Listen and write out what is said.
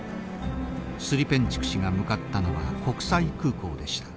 スリペンチュク氏が向かったのは国際空港でした。